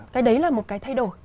cái đấy là một cái thay đổi